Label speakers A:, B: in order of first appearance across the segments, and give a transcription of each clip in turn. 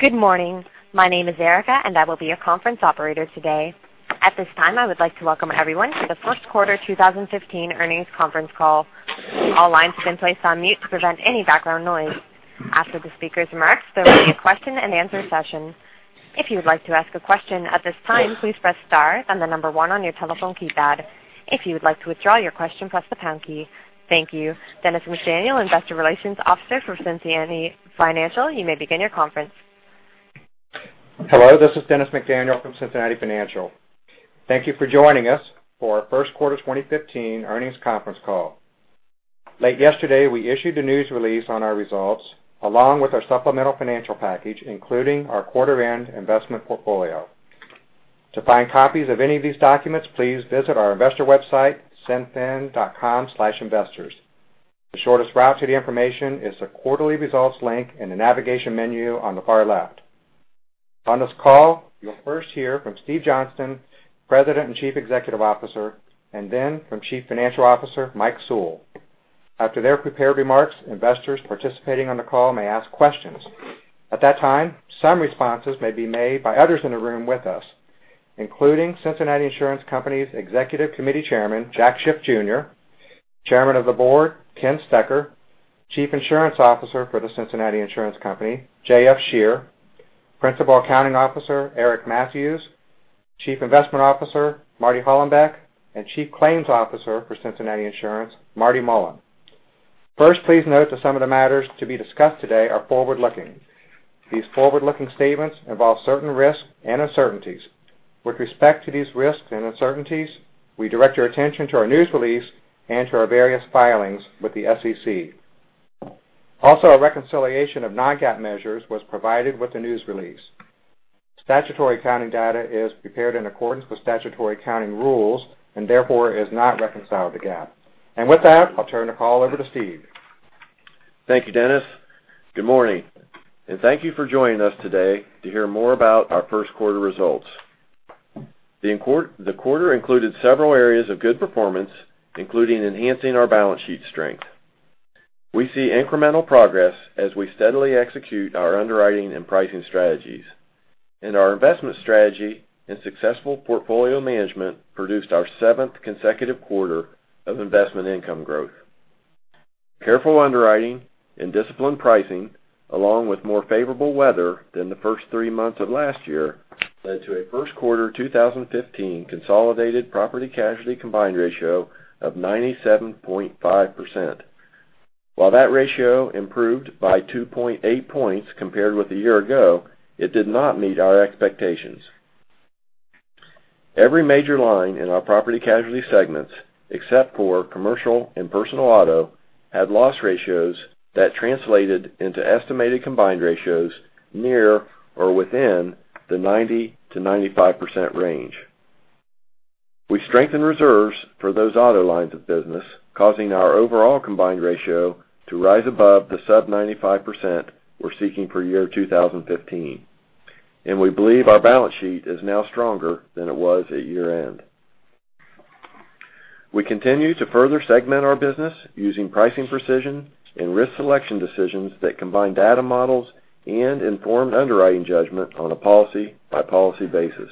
A: Good morning. My name is Erica, and I will be your conference operator today. At this time, I would like to welcome everyone to the first quarter 2015 earnings conference call. All lines have been placed on mute to prevent any background noise. After the speakers' remarks, there will be a question-and-answer session. If you would like to ask a question at this time, please press star and the number one on your telephone keypad. If you would like to withdraw your question, press the pound key. Thank you. Dennis McDaniel, Investor Relations Officer for Cincinnati Financial, you may begin your conference.
B: Hello, this is Dennis McDaniel from Cincinnati Financial. Thank you for joining us for our first quarter 2015 earnings conference call. Late yesterday, we issued a news release on our results along with our supplemental financial package, including our quarter-end investment portfolio. To find copies of any of these documents, please visit our investor website, cinfin.com/investors. The shortest route to the information is the Quarterly Results link in the navigation menu on the far left. On this call, you'll first hear from Steve Johnston, President and Chief Executive Officer, and then from Chief Financial Officer, Mike Sewell. After their prepared remarks, investors participating on the call may ask questions. At that time, some responses may be made by others in the room with us, including Cincinnati Insurance Company's Executive Committee Chairman, Jack Schiff Jr.; Chairman of the Board, Ken Stecher; Chief Insurance Officer for The Cincinnati Insurance Company, J.F. Scherer; Principal Accounting Officer, Eric M. Mathews; Chief Investment Officer, Marty Hollenbeck; and Chief Claims Officer for Cincinnati Insurance, Marty Mullen. First, please note that some of the matters to be discussed today are forward-looking. These forward-looking statements involve certain risks and uncertainties. With respect to these risks and uncertainties, we direct your attention to our news release and to our various filings with the SEC. Also, a reconciliation of non-GAAP measures was provided with the news release. Statutory accounting data is prepared in accordance with statutory accounting rules and therefore is not reconciled to GAAP. With that, I'll turn the call over to Steve.
C: Thank you, Dennis. Good morning, and thank you for joining us today to hear more about our first quarter results. The quarter included several areas of good performance, including enhancing our balance sheet strength. We see incremental progress as we steadily execute our underwriting and pricing strategies, and our investment strategy and successful portfolio management produced our seventh consecutive quarter of investment income growth. Careful underwriting and disciplined pricing, along with more favorable weather than the first three months of last year, led to a first quarter 2015 consolidated property-casualty combined ratio of 97.5%. While that ratio improved by 2.8 points compared with a year ago, it did not meet our expectations. Every major line in our property-casualty segments, except for commercial and personal auto, had loss ratios that translated into estimated combined ratios near or within the 90%-95% range. We strengthened reserves for those auto lines of business, causing our overall combined ratio to rise above the sub 95% we're seeking for 2015. We believe our balance sheet is now stronger than it was at year-end. We continue to further segment our business using pricing precision and risk selection decisions that combine data models and informed underwriting judgment on a policy-by-policy basis.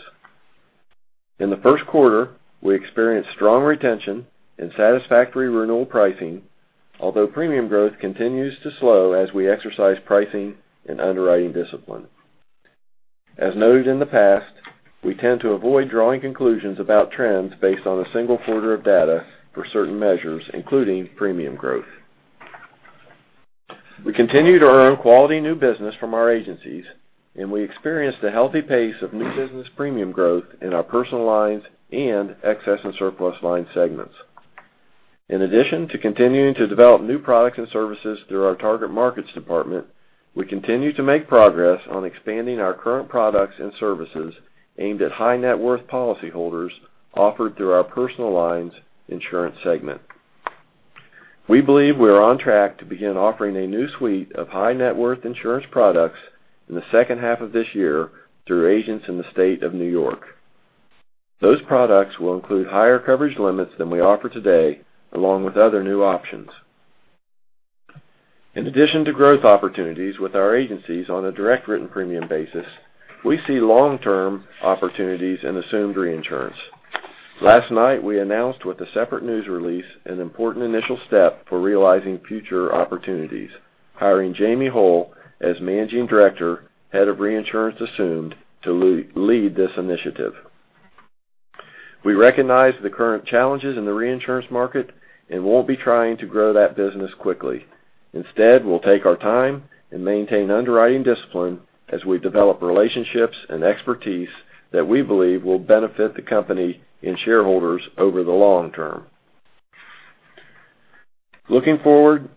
C: In the first quarter, we experienced strong retention and satisfactory renewal pricing, although premium growth continues to slow as we exercise pricing and underwriting discipline. As noted in the past, we tend to avoid drawing conclusions about trends based on a single quarter of data for certain measures, including premium growth. We continue to earn quality new business from our agencies. We experienced a healthy pace of new business premium growth in our personal lines and excess and surplus lines segments. In addition to continuing to develop new products and services through our target markets department, we continue to make progress on expanding our current products and services aimed at high-net-worth policyholders offered through our personal lines insurance segment. We believe we are on track to begin offering a new suite of high-net-worth insurance products in the second half of this year through agents in the state of N.Y. Those products will include higher coverage limits than we offer today, along with other new options. In addition to growth opportunities with our agencies on a direct written premium basis, we see long-term opportunities in assumed reinsurance. Last night, we announced with a separate news release an important initial step for realizing future opportunities, hiring Jamie Hole as Managing Director, Head of Reinsurance Assumed, to lead this initiative. We recognize the current challenges in the reinsurance market and won't be trying to grow that business quickly. Instead, we'll take our time and maintain underwriting discipline as we develop relationships and expertise that we believe will benefit the company and shareholders over the long term. Looking forward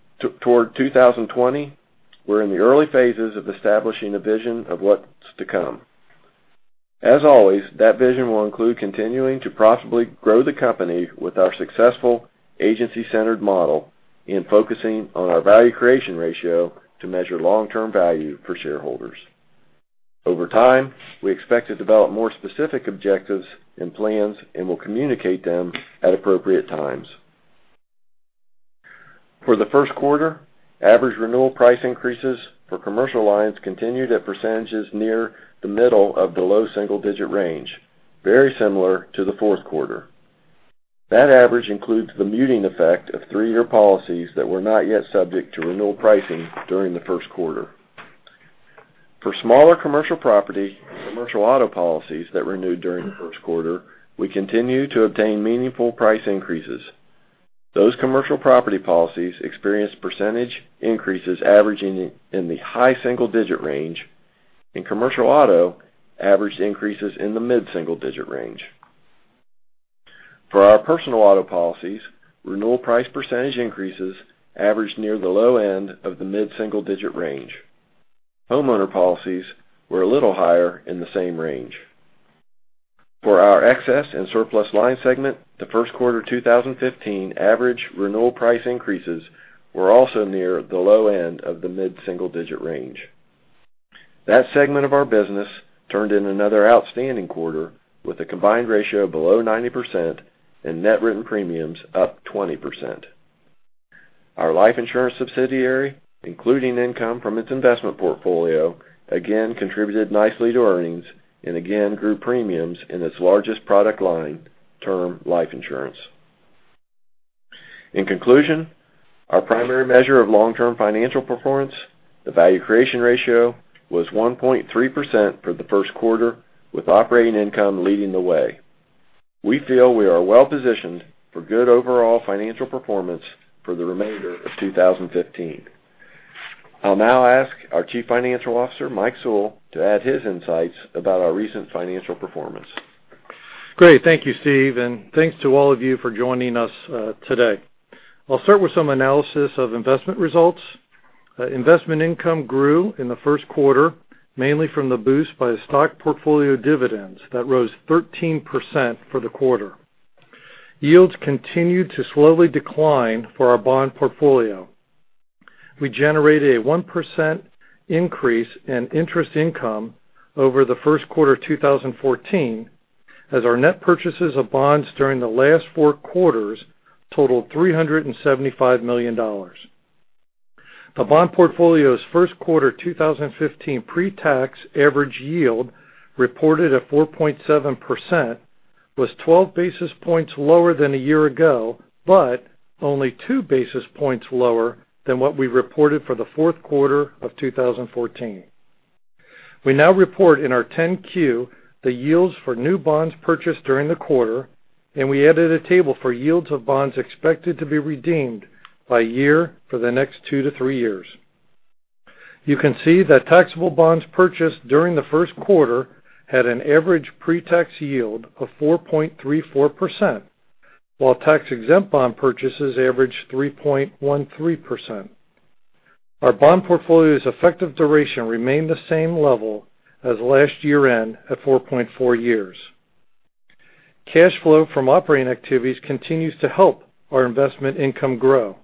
C: toward 2020, we're in the early phases of establishing a vision of what's to come. As always, that vision will include continuing to profitably grow the company with our successful agency-centered model in focusing on our Value Creation Ratio to measure long-term value for shareholders. Over time, we expect to develop more specific objectives and plans. We'll communicate them at appropriate times. For the first quarter, average renewal price increases for commercial lines continued at percentages near the middle of the low single-digit range, very similar to the fourth quarter. That average includes the muting effect of three-year policies that were not yet subject to renewal pricing during the first quarter. For smaller commercial property and commercial auto policies that renewed during the first quarter, we continued to obtain meaningful price increases. Those commercial property policies experienced percentage increases averaging in the high single-digit range. In commercial auto, average increases in the mid-single digit range. For our personal auto policies, renewal price percentage increases averaged near the low end of the mid-single digit range. Homeowner policies were a little higher in the same range. For our excess and surplus lines segment, the first quarter 2015 average renewal price increases were also near the low end of the mid-single digit range. That segment of our business turned in another outstanding quarter, with a combined ratio below 90% and net written premiums up 20%. Our life insurance subsidiary, including income from its investment portfolio, again contributed nicely to earnings and again grew premiums in its largest product line, term life insurance. In conclusion, our primary measure of long-term financial performance, the Value Creation Ratio, was 1.3% for the first quarter, with operating income leading the way. We feel we are well positioned for good overall financial performance for the remainder of 2015. I'll now ask our Chief Financial Officer, Mike Sewell, to add his insights about our recent financial performance.
D: Great. Thank you, Steve, and thanks to all of you for joining us today. I'll start with some analysis of investment results. Investment income grew in the first quarter, mainly from the boost by stock portfolio dividends that rose 13% for the quarter. Yields continued to slowly decline for our bond portfolio. We generated a 1% increase in interest income over the first quarter of 2014, as our net purchases of bonds during the last four quarters totaled $375 million. The bond portfolio's first quarter 2015 pre-tax average yield, reported at 4.7%, was 12 basis points lower than a year ago, but only two basis points lower than what we reported for the fourth quarter of 2014. We now report in our 10-Q the yields for new bonds purchased during the quarter, and we added a table for yields of bonds expected to be redeemed by year for the next two to three years. You can see that taxable bonds purchased during the first quarter had an average pre-tax yield of 4.34%, while tax-exempt bond purchases averaged 3.13%. Our bond portfolio's effective duration remained the same level as last year-end at 4.4 years. Cash flow from operating activities continues to help our investment income grow.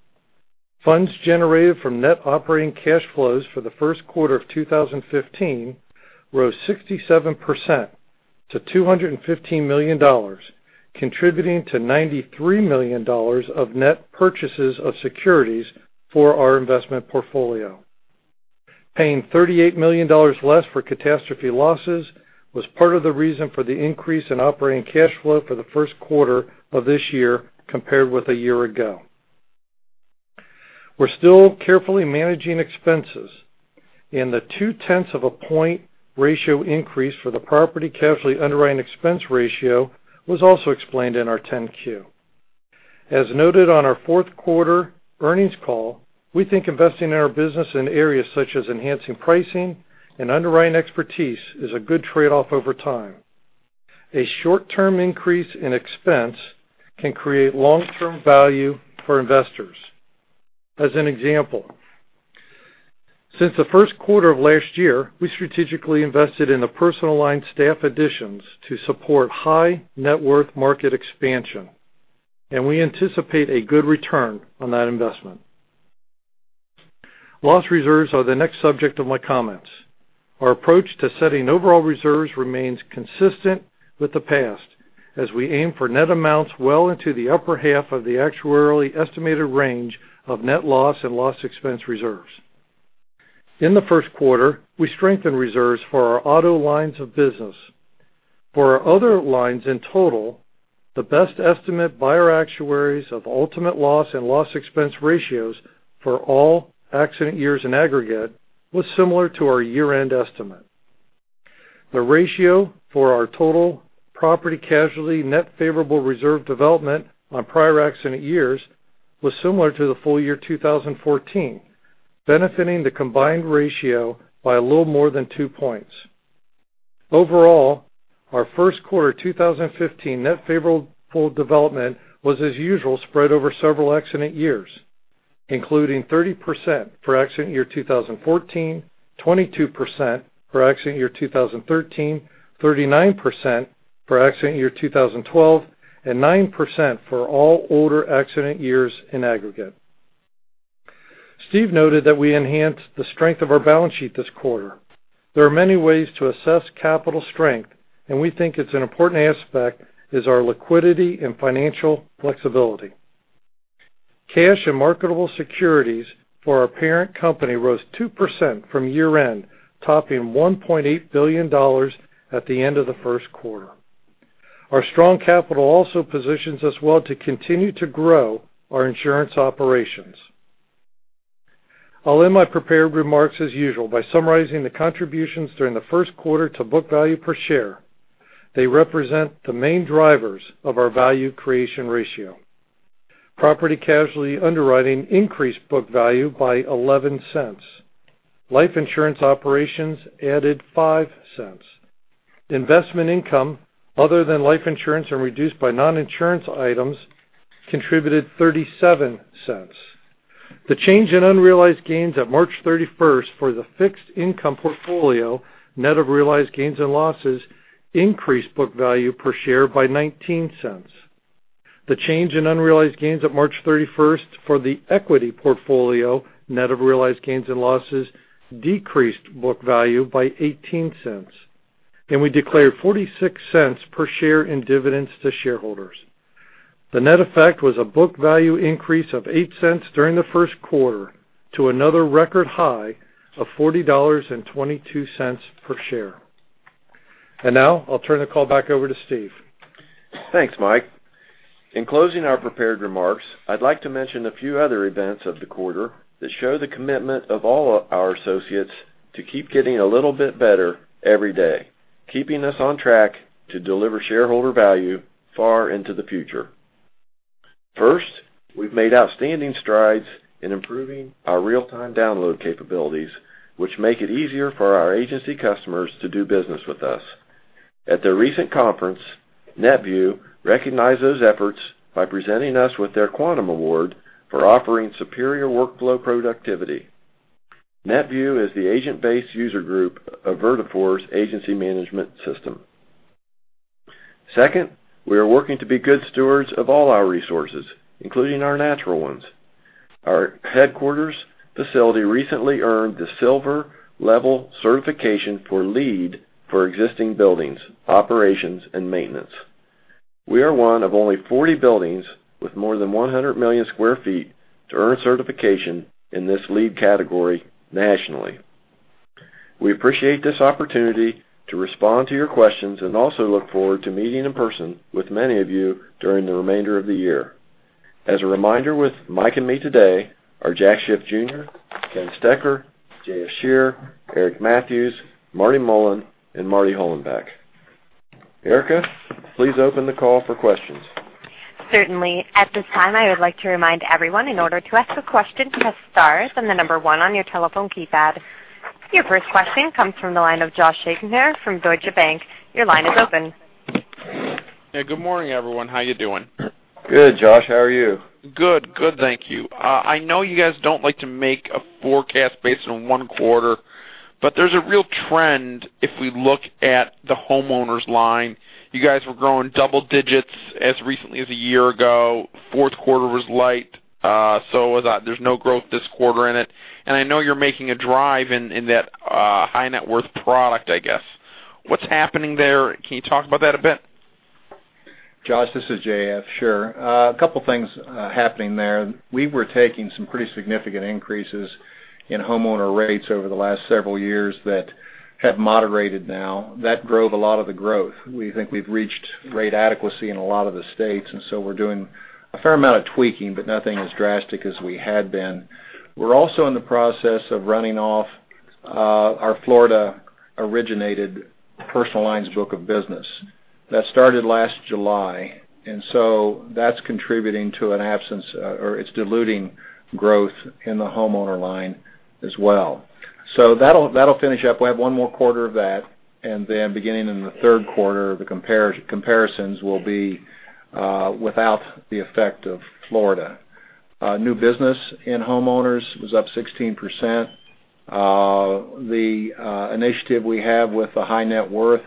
D: Funds generated from net operating cash flows for the first quarter of 2015 rose 67% to $215 million, contributing to $93 million of net purchases of securities for our investment portfolio. Paying $38 million less for catastrophe losses was part of the reason for the increase in operating cash flow for the first quarter of this year compared with a year ago. We're still carefully managing expenses, and the two-tenths of a point ratio increase for the property casualty underwriting expense ratio was also explained in our 10-Q. As noted on our fourth quarter earnings call, we think investing in our business in areas such as enhancing pricing and underwriting expertise is a good trade-off over time. A short-term increase in expense can create long-term value for investors. As an example, since the first quarter of last year, we strategically invested in the personal lines staff additions to support high net worth market expansion, and we anticipate a good return on that investment. Loss reserves are the next subject of my comments. Our approach to setting overall reserves remains consistent with the past, as we aim for net amounts well into the upper half of the actuarially estimated range of net loss and loss expense reserves. In the first quarter, we strengthened reserves for our auto lines of business. For our other lines in total, the best estimate by our actuaries of ultimate loss and loss expense ratios for all accident years in aggregate was similar to our year-end estimate. The ratio for our total property casualty net favorable reserve development on prior accident years was similar to the full year 2014, benefiting the combined ratio by a little more than two points. Overall, our first quarter 2015 net favorable development was, as usual, spread over several accident years, including 30% for accident year 2014, 22% for accident year 2013, 39% for accident year 2012, and 9% for all older accident years in aggregate. Steve noted that we enhanced the strength of our balance sheet this quarter. There are many ways to assess capital strength, and we think it's an important aspect, is our liquidity and financial flexibility. Cash and marketable securities for our parent company rose 2% from year-end, topping $1.8 billion at the end of the first quarter. Our strong capital also positions us well to continue to grow our insurance operations. I'll end my prepared remarks as usual by summarizing the contributions during the first quarter to book value per share. They represent the main drivers of our Value Creation Ratio. Property casualty underwriting increased book value by $0.11. Life insurance operations added $0.05. Investment income other than life insurance and reduced by non-insurance items contributed $0.37. The change in unrealized gains at March 31st for the fixed income portfolio, net of realized gains and losses, increased book value per share by $0.19. The change in unrealized gains at March 31st for the equity portfolio, net of realized gains and losses, decreased book value by $0.18. We declared $0.46 per share in dividends to shareholders. The net effect was a book value increase of $0.08 during the first quarter to another record high of $40.22 per share. Now I'll turn the call back over to Steve.
C: Thanks, Mike. In closing our prepared remarks, I'd like to mention a few other events of the quarter that show the commitment of all our associates to keep getting a little bit better every day, keeping us on track to deliver shareholder value far into the future. First, we've made outstanding strides in improving our real-time download capabilities, which make it easier for our agency customers to do business with us. At their recent conference, NetVU recognized those efforts by presenting us with their Quantum Award for offering superior workflow productivity. NetVU is the agent-based user group of Vertafore's agency management system. Second, we are working to be good stewards of all our resources, including our natural ones. Our headquarters facility recently earned the silver-level certification for LEED for existing buildings, operations, and maintenance. We are one of only 40 buildings with more than 1 million square feet to earn certification in this LEED category nationally. We appreciate this opportunity to respond to your questions and also look forward to meeting in person with many of you during the remainder of the year. As a reminder, with Mike and me today are Jack Schiff Jr., Ken Stecher, J.F. Scherer, Eric Mathews, Marty Mullen, and Marty Hollenbeck. Erica, please open the call for questions.
A: Certainly. At this time, I would like to remind everyone, in order to ask a question, to press star and the number 1 on your telephone keypad. Your first question comes from the line of Joshua Shanker from Deutsche Bank. Your line is open.
E: Yeah, good morning, everyone. How you doing?
C: Good, Josh. How are you?
E: Good. Good, thank you. I know you guys don't like to make a forecast based on one quarter, but there's a real trend if we look at the homeowners line. You guys were growing double digits as recently as a year ago. Fourth quarter was light, so there's no growth this quarter in it. I know you're making a drive in that high net worth product, I guess. What's happening there? Can you talk about that a bit?
F: Josh, this is J.F. Sure. A couple things happening there. We were taking some pretty significant increases in homeowner rates over the last several years that have moderated now. That drove a lot of the growth. We think we've reached rate adequacy in a lot of the states, and so we're doing a fair amount of tweaking, but nothing as drastic as we had been. We're also in the process of running off our Florida-originated personal lines book of business. That started last July, and so that's contributing to an absence, or it's diluting growth in the homeowner line as well. That'll finish up. We have one more quarter of that, and then beginning in the third quarter, the comparisons will be without the effect of Florida. New business in homeowners was up 16%.
D: The initiative we have with the high net worth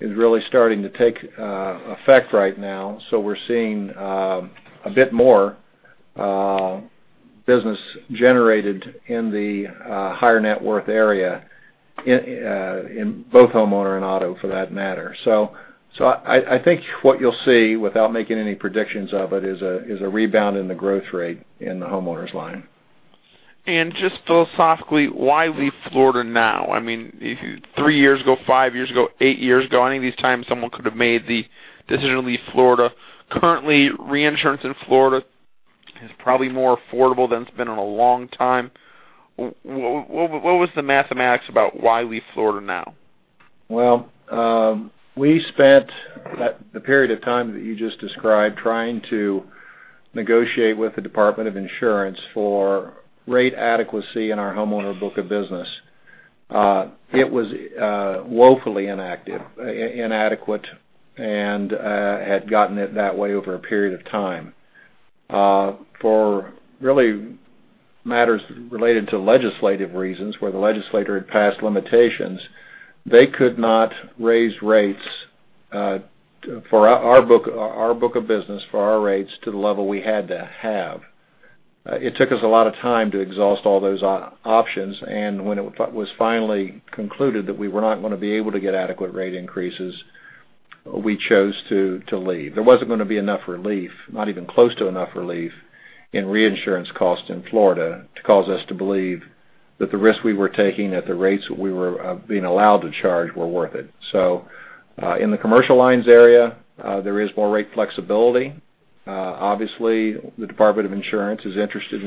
D: is really starting to take effect right now, so we're seeing a bit more business generated in the higher net worth area in both homeowner and auto, for that matter. I think what you'll see, without making any predictions of it, is a rebound in the growth rate in the homeowners line.
E: Just philosophically, why leave Florida now? I mean, if three years ago, five years ago, eight years ago, any of these times, someone could have made the decision to leave Florida. Currently, reinsurance in Florida is probably more affordable than it's been in a long time. What was the mathematics about why leave Florida now?
F: We spent the period of time that you just described trying to negotiate with the Department of Insurance for rate adequacy in our homeowner book of business. It was woefully inactive, inadequate, and had gotten it that way over a period of time. For really matters related to legislative reasons where the legislature had passed limitations, they could not raise rates For our book of business, for our rates, to the level we had to have. It took us a lot of time to exhaust all those options, and when it was finally concluded that we were not going to be able to get adequate rate increases, we chose to leave. There wasn't going to be enough relief, not even close to enough relief, in reinsurance costs in Florida to cause us to believe that the risk we were taking at the rates we were being allowed to charge were worth it. In the commercial lines area, there is more rate flexibility. Obviously, the Department of Insurance is interested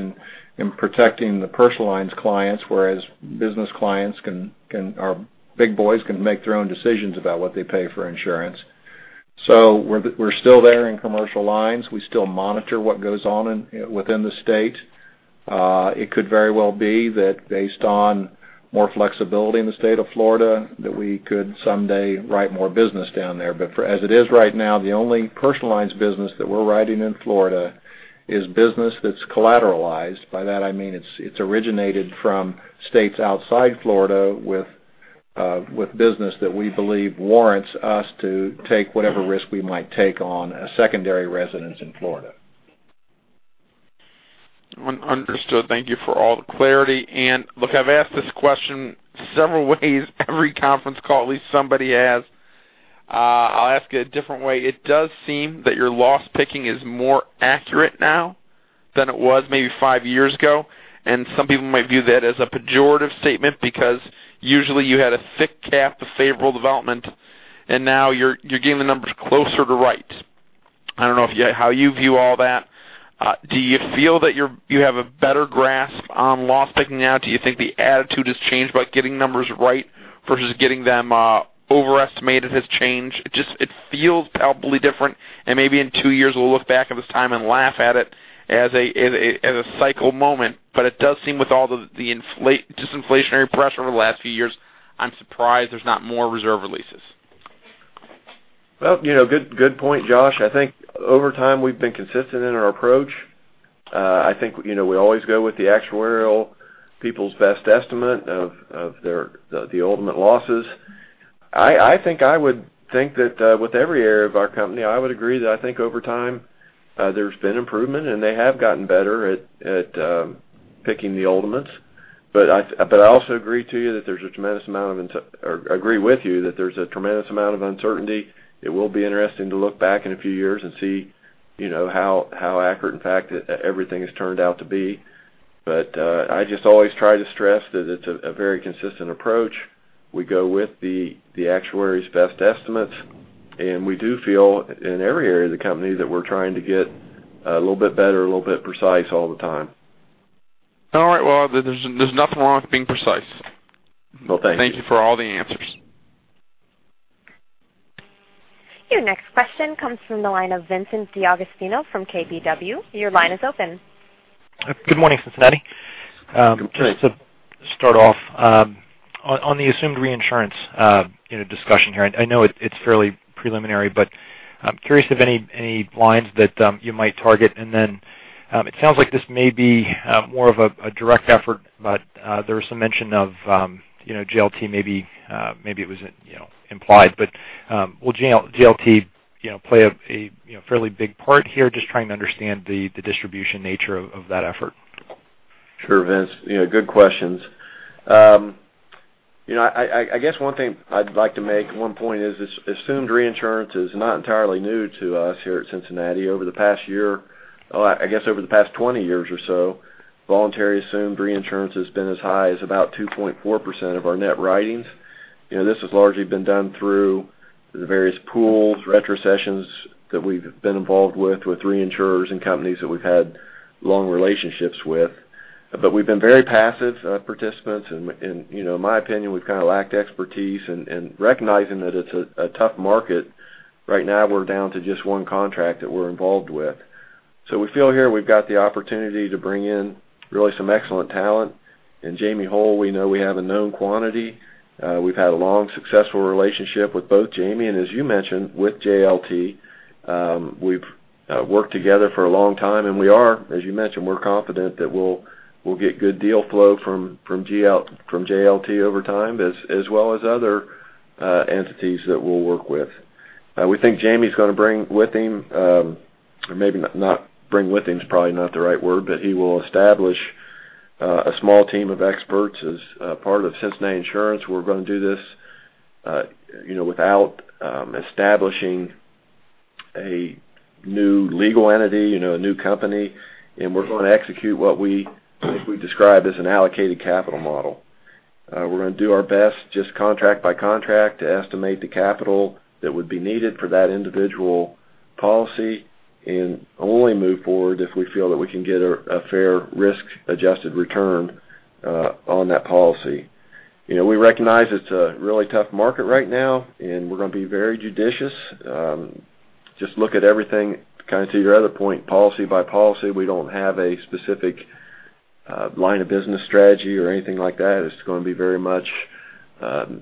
F: in protecting the personal lines clients, whereas business clients, big boys, can make their own decisions about what they pay for insurance. We're still there in commercial lines. We still monitor what goes on within the state. It could very well be that based on more flexibility in the state of Florida, that we could someday write more business down there. As it is right now, the only personal lines business that we're writing in Florida is business that's collateralized. By that I mean it's originated from states outside Florida with business that we believe warrants us to take whatever risk we might take on a secondary residence in Florida.
E: Understood. Thank you for all the clarity. Look, I've asked this question several ways. Every conference call, at least somebody has. I'll ask it a different way. It does seem that your loss picking is more accurate now than it was maybe five years ago. Some people might view that as a pejorative statement because usually you had a thick cap of favorable development, and now you're getting the numbers closer to right. I don't know how you view all that. Do you feel that you have a better grasp on loss picking now? Do you think the attitude has changed about getting numbers right versus getting them overestimated has changed? It feels palpably different, and maybe in two years we'll look back at this time and laugh at it as a cycle moment. It does seem with all the disinflationary pressure over the last few years, I'm surprised there's not more reserve releases.
C: Well, good point, Josh. I think over time, we've been consistent in our approach. I think we always go with the actuarial people's best estimate of the ultimate losses. I think I would think that with every area of our company, I would agree that I think over time there's been improvement, and they have gotten better at picking the ultimates. I also agree with you that there's a tremendous amount of uncertainty. It will be interesting to look back in a few years and see how accurate, in fact, everything has turned out to be. I just always try to stress that it's a very consistent approach. We go with the actuaries' best estimates, and we do feel in every area of the company that we're trying to get a little bit better, a little bit precise all the time.
E: All right. Well, there's nothing wrong with being precise.
C: Well, thank you.
E: Thank you for all the answers.
A: Your next question comes from the line of Vincent D'Agostino from KBW. Your line is open.
G: Good morning, Cincinnati.
C: Good morning.
G: Just to start off, on the assumed reinsurance discussion here, I know it's fairly preliminary, but I'm curious of any lines that you might target. It sounds like this may be more of a direct effort, but there was some mention of JLT, maybe it was implied, but will JLT play a fairly big part here? Just trying to understand the distribution nature of that effort.
C: Sure, Vince. Good questions. I guess one thing I'd like to make, one point is assumed reinsurance is not entirely new to us here at Cincinnati. Over the past year, I guess over the past 20 years or so, voluntary assumed reinsurance has been as high as about 2.4% of our net writings. This has largely been done through the various pools, retrocessions that we've been involved with reinsurers and companies that we've had long relationships with. We've been very passive participants, and in my opinion, we've kind of lacked expertise. Recognizing that it's a tough market, right now we're down to just one contract that we're involved with. We feel here we've got the opportunity to bring in really some excellent talent. In Jamie Hole, we know we have a known quantity.
F: We've had a long, successful relationship with both Jamie, as you mentioned, with JLT. We've worked together for a long time, we are, as you mentioned, we're confident that we'll get good deal flow from JLT over time, as well as other entities that we'll work with. We think Jamie's going to bring with him, maybe not bring with him is probably not the right word, but he will establish a small team of experts as part of Cincinnati Insurance. We're going to do this without establishing a new legal entity, a new company, we're going to execute what we describe as an allocated capital model. We're going to do our best, just contract by contract, to estimate the capital that would be needed for that individual policy and only move forward if we feel that we can get a fair risk-adjusted return on that policy.
C: We recognize it's a really tough market right now, we're going to be very judicious. Just look at everything, kind of to your other point, policy by policy. We don't have a specific line of business strategy or anything like that. It's going to be very much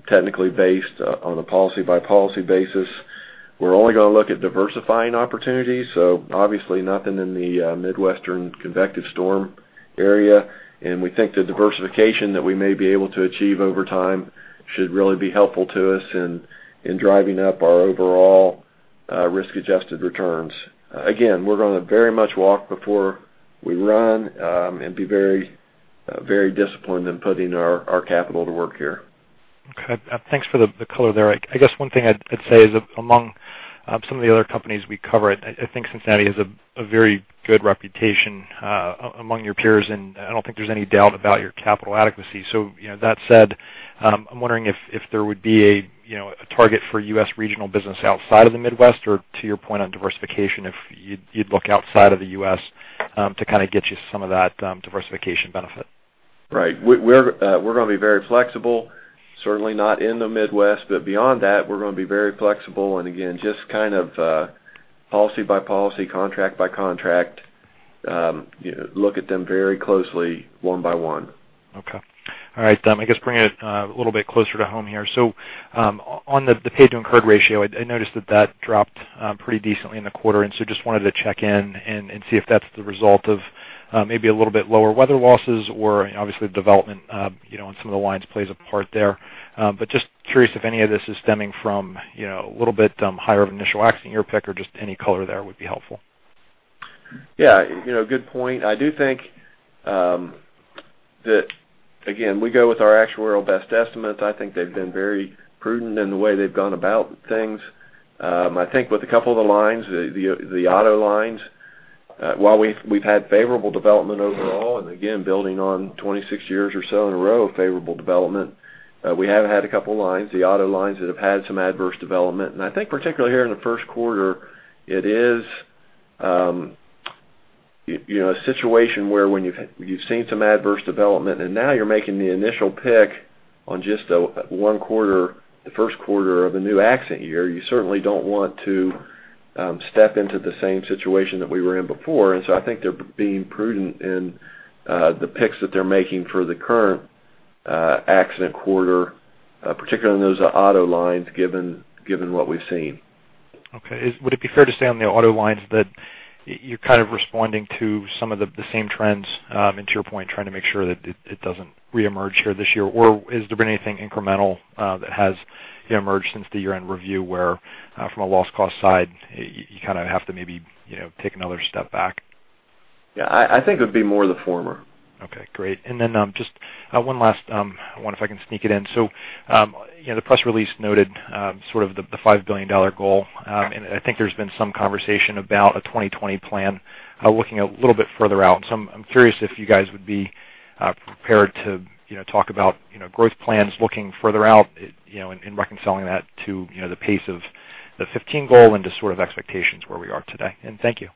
C: technically based on a policy-by-policy basis. We're only going to look at diversifying opportunities. Obviously nothing in the Midwestern convective storm area. We think the diversification that we may be able to achieve over time should really be helpful to us in driving up our overall risk-adjusted returns. Again, we're going to very much walk before we run and be very disciplined in putting our capital to work here.
G: Okay. Thanks for the color there. I guess one thing I'd say is among some of the other companies we cover, I think Cincinnati has a very good reputation among your peers, and I don't think there's any doubt about your capital adequacy. That said, I'm wondering if there would be a target for U.S. regional business outside of the Midwest or, to your point on diversification, if you'd look outside of the U.S. to kind of get you some of that diversification benefit.
C: Right. We're going to be very flexible, certainly not in the Midwest. Beyond that, we're going to be very flexible and again, just kind of policy by policy, contract by contract, look at them very closely one by one.
G: Okay. All right. I guess bringing it a little bit closer to home here. On the paid to incurred ratio, I noticed that that dropped pretty decently in the quarter. Just wanted to check in and see if that's the result of maybe a little bit lower weather losses or obviously development on some of the lines plays a part there. Just curious if any of this is stemming from a little bit higher of initial accident year pick or just any color there would be helpful.
C: Yeah. Good point. I do think that, again, we go with our actuarial best estimates. I think they've been very prudent in the way they've gone about things. I think with a couple of the lines, the auto lines, while we've had favorable development overall, again, building on 26 years or so in a row of favorable development, we have had a couple of lines, the auto lines, that have had some adverse development. I think particularly here in the first quarter, it is a situation where when you've seen some adverse development and now you're making the initial pick on just the first quarter of a new accident year, you certainly don't want to step into the same situation that we were in before. I think they're being prudent in the picks that they're making for the current accident quarter, particularly in those auto lines, given what we've seen.
G: Okay. Would it be fair to say on the auto lines that you're kind of responding to some of the same trends, and to your point, trying to make sure that it doesn't reemerge here this year? Or has there been anything incremental that has emerged since the year-end review where from a loss cost side, you kind of have to maybe take another step back?
C: Yeah. I think it would be more the former.
G: Okay, great. Just one last one if I can sneak it in. The press release noted sort of the $5 billion goal. I think there's been some conversation about a 2020 plan looking a little bit further out. I'm curious if you guys would be prepared to talk about growth plans looking further out and reconciling that to the pace of the 2015 goal and just sort of expectations where we are today. Thank you.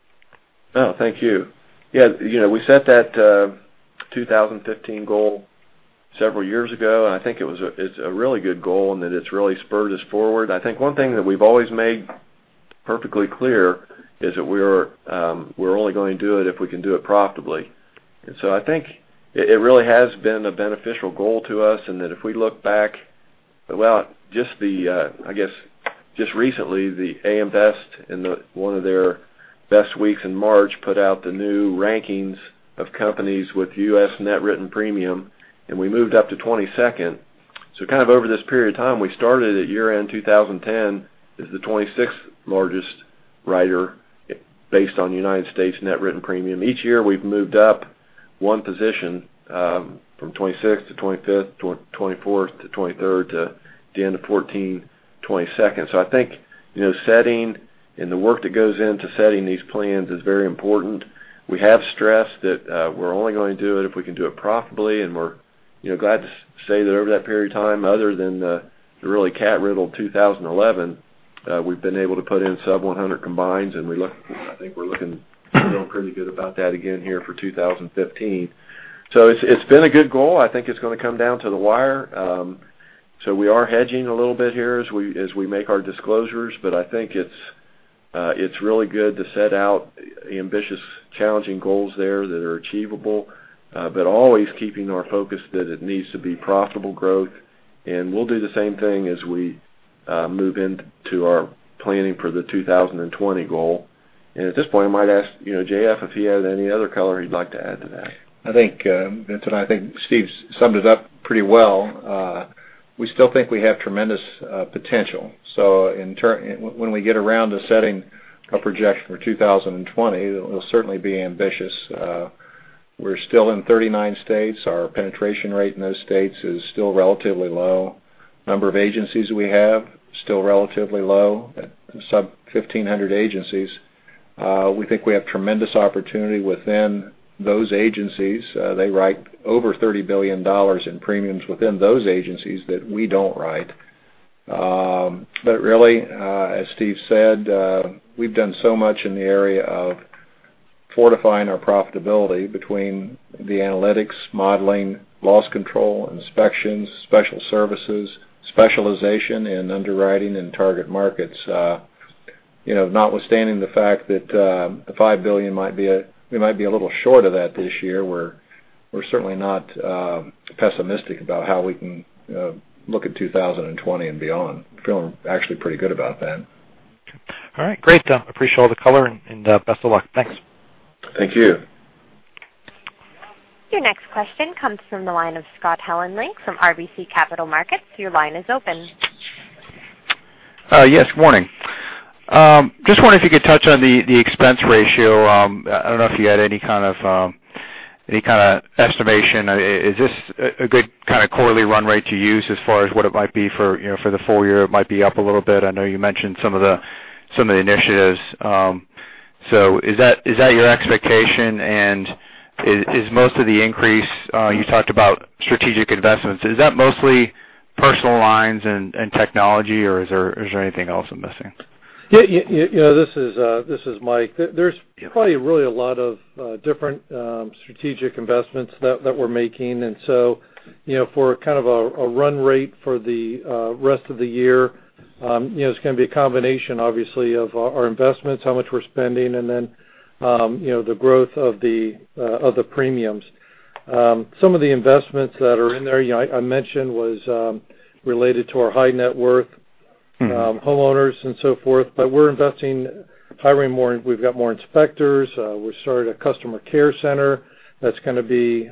C: No, thank you. We set that 2015 goal several years ago, and I think it's a really good goal and that it's really spurred us forward. I think one thing that we've always made perfectly clear is that we're only going to do it if we can do it profitably. I think it really has been a beneficial goal to us, and that if we look back, well, I guess just recently, AM Best in one of their Best's Week in March put out the new rankings of companies with U.S. net written premium, and we moved up to 22nd. Kind of over this period of time, we started at year-end 2010 as the 26th largest writer based on U.S. net written premium. Each year, we've moved up one position from 26th to 25th to 24th to 23rd to the end of 2014, 22nd. I think setting and the work that goes into setting these plans is very important. We have stressed that we're only going to do it if we can do it profitably, and we're glad to say that over that period of time, other than the really cat-riddled 2011, we've been able to put in sub 100 combines, and I think we're feeling pretty good about that again here for 2015. It's been a good goal. I think it's going to come down to the wire. We are hedging a little bit here as we make our disclosures, but I think it's really good to set out ambitious, challenging goals there that are achievable. Always keeping our focus that it needs to be profitable growth. We'll do the same thing as we move into our planning for the 2020 goal. At this point, I might ask J.F. if he has any other color he'd like to add to that.
F: Vincent, I think Steve's summed it up pretty well. We still think we have tremendous potential. When we get around to setting a projection for 2020, it'll certainly be ambitious. We're still in 39 states. Our penetration rate in those states is still relatively low. Number of agencies we have, still relatively low at sub 1,500 agencies. We think we have tremendous opportunity within those agencies. They write over $30 billion in premiums within those agencies that we don't write. Really, as Steve said, we've done so much in the area of fortifying our profitability between the analytics, modeling, loss control, inspections, special services, specialization in underwriting and target markets. Notwithstanding the fact that the $5 billion, we might be a little short of that this year, we're certainly not pessimistic about how we can look at 2020 and beyond. Feeling actually pretty good about that.
G: All right, great. Appreciate all the color and best of luck. Thanks.
F: Thank you.
A: Your next question comes from the line of Scott Heleniak from RBC Capital Markets. Your line is open.
H: Yes, morning. Just wonder if you could touch on the expense ratio. I don't know if you had any kind of estimation. Is this a good kind of quarterly run rate to use as far as what it might be for the full year? It might be up a little bit. I know you mentioned some of the initiatives. Is that your expectation and is most of the increase, you talked about strategic investments, is that mostly personal lines and technology, or is there anything else I am missing?
D: This is Mike. There's probably really a lot of different strategic investments that we're making. For kind of a run rate for the rest of the year, it's going to be a combination, obviously, of our investments, how much we're spending, and then the growth of the premiums. Some of the investments that are in there, I mentioned, was related to our high net worth homeowners and so forth. We're investing, hiring more. We've got more inspectors. We started a customer care center that's going to be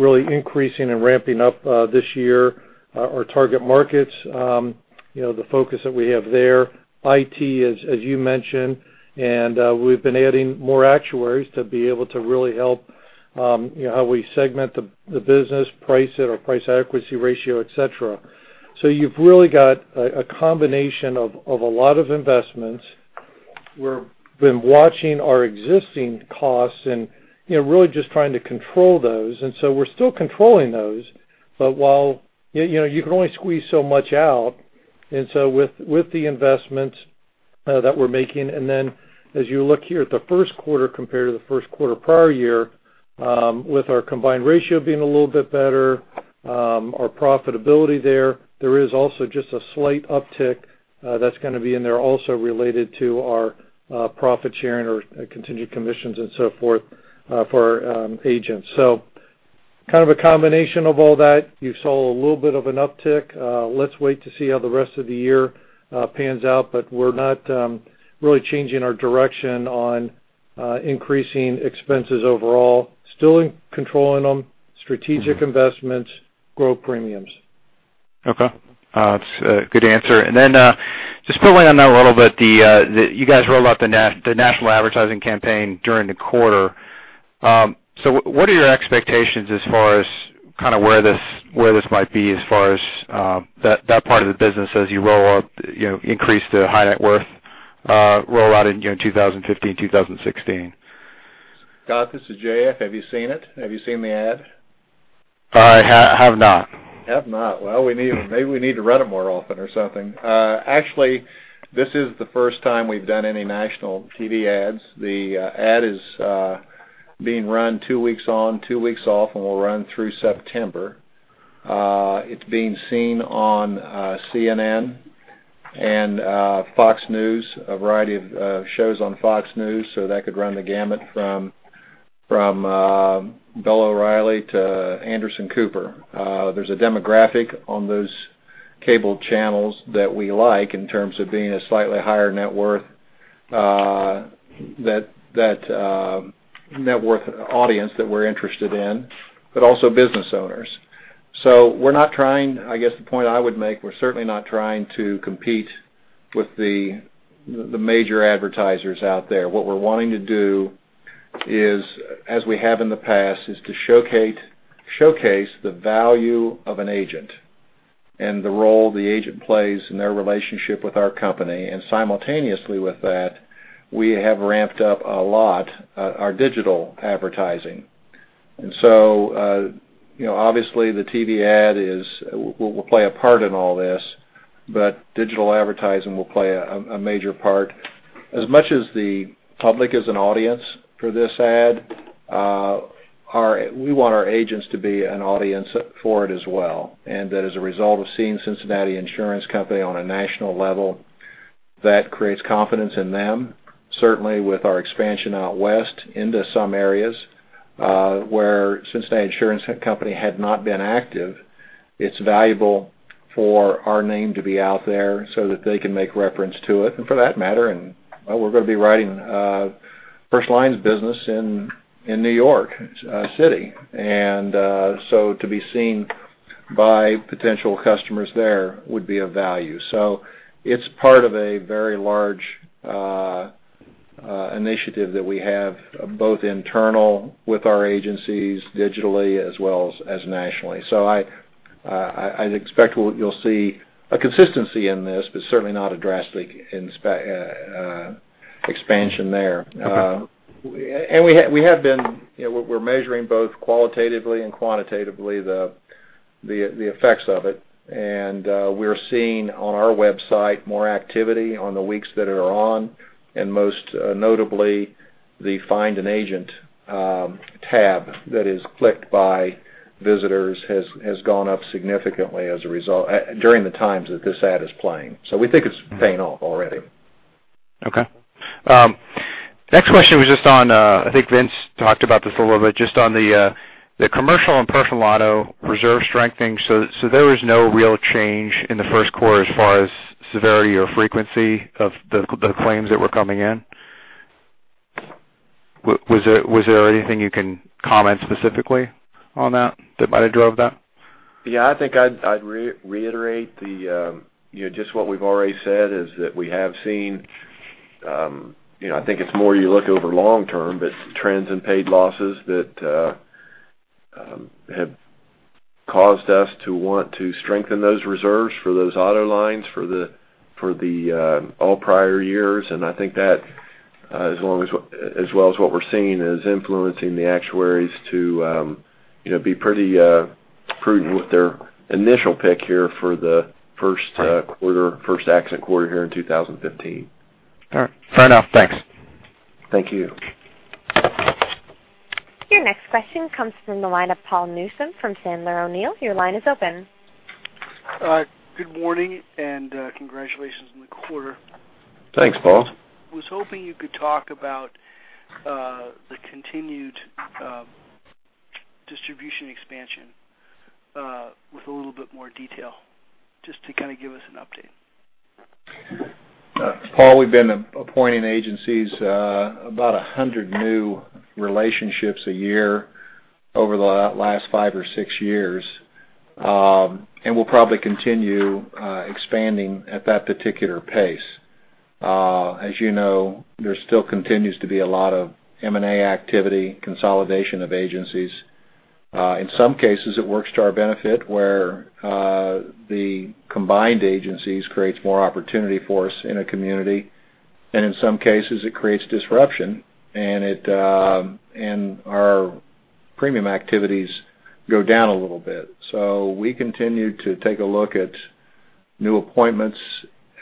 D: really increasing and ramping up this year. Our target markets, the focus that we have there, IT, as you mentioned, and we've been adding more actuaries to be able to really help how we segment the business, price it, our price adequacy ratio, et cetera. You've really got a combination of a lot of investments. We've been watching our existing costs and really just trying to control those. We're still controlling those, but while you can only squeeze so much out, with the investments that we're making, and then as you look here at the first quarter compared to the first quarter prior year, with our combined ratio being a little bit better, our profitability there is also just a slight uptick that's going to be in there also related to our profit sharing or continued commissions and so forth for our agents. Kind of a combination of all that. You saw a little bit of an uptick. Let's wait to see how the rest of the year pans out. We're not really changing our direction on increasing expenses overall. Still controlling them, strategic investments, growth premiums.
H: Okay. That's a good answer. Just pulling on that a little bit, you guys rolled out the national advertising campaign during the quarter. What are your expectations as far as kind of where this might be as far as that part of the business as you roll out, increase the high net worth rollout in 2015, 2016?
F: Scott, this is J.F. Have you seen it? Have you seen the ad?
H: I have not.
F: Have not. Well, maybe we need to run it more often or something. Actually, this is the first time we've done any national TV ads. The ad is being run two weeks on, two weeks off, and will run through September. It's being seen on CNN and Fox News, a variety of shows on Fox News, that could run the gamut from Bill O'Reilly to Anderson Cooper. There's a demographic on those cable channels that we like in terms of being a slightly higher net worth audience that we're interested in, but also business owners. We're not trying, I guess the point I would make, we're certainly not trying to compete with the major advertisers out there. What we're wanting to do is, as we have in the past, is to showcase the value of an agent and the role the agent plays in their relationship with our company. Simultaneously with that, we have ramped up a lot our digital advertising. Obviously the TV ad will play a part in all this, but digital advertising will play a major part. As much as the public is an audience for this ad, we want our agents to be an audience for it as well. That as a result of seeing Cincinnati Insurance Company on a national level, that creates confidence in them. Certainly with our expansion out west into some areas where Cincinnati Insurance Company had not been active, it's valuable for our name to be out there so that they can make reference to it, for that matter, we're going to be writing personal lines business in New York City. To be seen by potential customers there would be of value. It's part of a very large initiative that we have, both internal with our agencies digitally as well as nationally. I expect you'll see a consistency in this, but certainly not a drastic expansion there.
H: Okay.
F: We're measuring both qualitatively and quantitatively the effects of it. We're seeing on our website more activity on the weeks that are on, most notably, the Find an Agent tab that is clicked by visitors has gone up significantly as a result during the times that this ad is playing. We think it's paying off already.
H: Okay. Next question was just on, I think Vince talked about this a little bit, just on the commercial and personal auto reserve strengthening. There was no real change in the first quarter as far as severity or frequency of the claims that were coming in? Was there anything you can comment specifically on that might have drove that?
C: I think I'd reiterate just what we've already said, is that we have seen, I think it's more you look over long term, but trends in paid losses that have caused us to want to strengthen those reserves for those auto lines for the all prior years. I think that as well as what we're seeing is influencing the actuaries to be pretty prudent with their initial pick here for the first quarter, first accident quarter here in 2015.
H: All right, fair enough. Thanks.
C: Thank you.
A: Your next question comes from the line of Paul Newsome from Sandler O'Neill. Your line is open.
I: Good morning. Congratulations on the quarter.
C: Thanks, Paul.
I: I was hoping you could talk about the continued distribution expansion with a little bit more detail, just to kind of give us an update.
F: Paul, we've been appointing agencies about 100 new relationships a year over the last five or six years, and we'll probably continue expanding at that particular pace. As you know, there still continues to be a lot of M&A activity, consolidation of agencies. In some cases, it works to our benefit, where the combined agencies creates more opportunity for us in a community. In some cases, it creates disruption, and our premium activities go down a little bit. We continue to take a look at new appointments,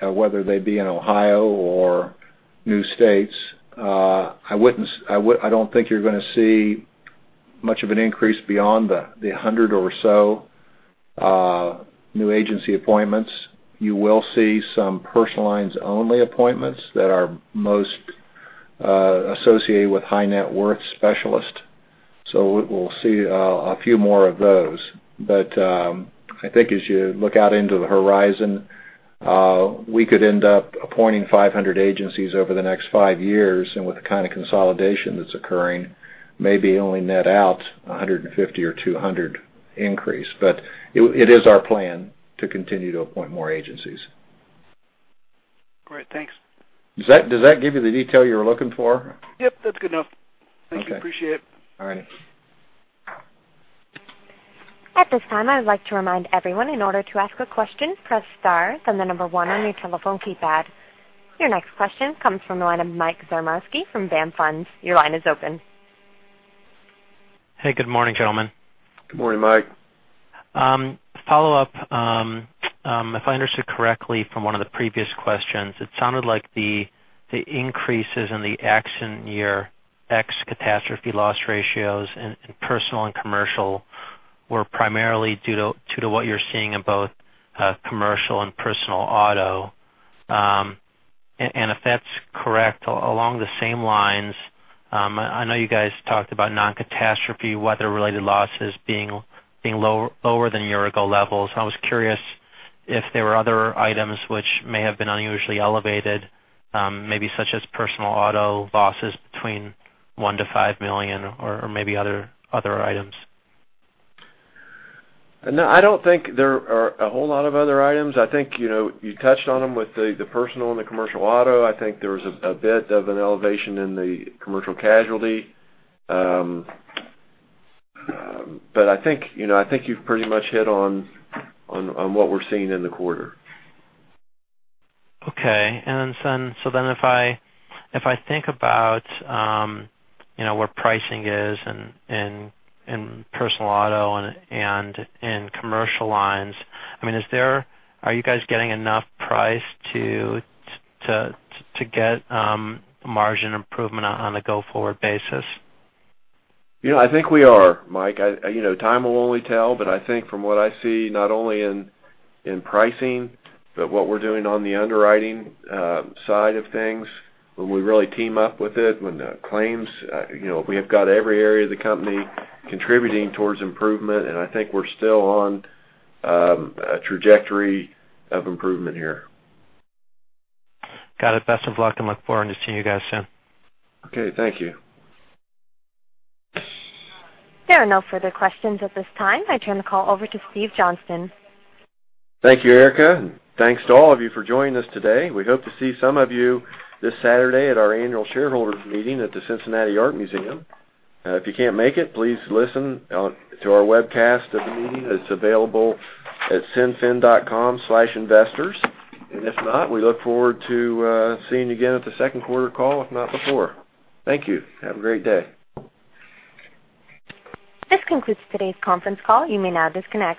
F: whether they be in Ohio or new states. I don't think you're going to see much of an increase beyond the 100 or so new agency appointments. You will see some personal lines only appointments that are most associated with high net worth specialists. We'll see a few more of those. I think as you look out into the horizon, we could end up appointing 500 agencies over the next five years, and with the kind of consolidation that's occurring, maybe only net out 150 or 200 increase. It is our plan to continue to appoint more agencies.
I: Great, thanks.
F: Does that give you the detail you were looking for?
I: Yep, that's good enough.
F: Okay. Thank you. Appreciate it. All righty.
A: At this time, I would like to remind everyone, in order to ask a question, press star, then the number 1 on your telephone keypad. Your next question comes from the line of Mike Zaremski from BMO Capital Markets. Your line is open.
J: Hey, good morning, gentlemen.
C: Good morning, Mike.
J: Follow-up. If I understood correctly from one of the previous questions, it sounded like the increases in the accident year ex catastrophe loss ratios in personal and commercial were primarily due to what you're seeing in both commercial and personal auto. If that's correct, along the same lines, I know you guys talked about non-catastrophe weather related losses being lower than year ago levels. I was curious if there were other items which may have been unusually elevated, maybe such as personal auto losses between $1 million-$5 million or maybe other items.
C: No, I don't think there are a whole lot of other items. I think you touched on them with the personal and the commercial auto. I think there was a bit of an elevation in the commercial casualty. I think you've pretty much hit on what we're seeing in the quarter.
J: Okay. If I think about where pricing is in personal auto and in commercial lines, are you guys getting enough price to get margin improvement on a go forward basis?
C: I think we are, Mike. Time will only tell, but I think from what I see, not only in pricing, but what we're doing on the underwriting side of things, when we really team up with it, we have got every area of the company contributing towards improvement, and I think we're still on a trajectory of improvement here.
J: Got it. Best of luck, and look forward to seeing you guys soon.
C: Okay, thank you.
A: There are no further questions at this time. I turn the call over to Steve Johnston.
C: Thank you, Erica, and thanks to all of you for joining us today. We hope to see some of you this Saturday at our annual shareholders meeting at the Cincinnati Art Museum. If you can't make it, please listen to our webcast of the meeting that's available at cinfin.com/investors. If not, we look forward to seeing you again at the second quarter call, if not before. Thank you. Have a great day.
A: This concludes today's conference call. You may now disconnect.